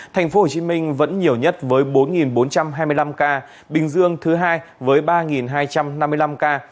thành phố hồ chí minh vẫn nhiều nhất với bốn bốn trăm hai mươi năm ca bình dương thứ hai với ba hai trăm năm mươi năm ca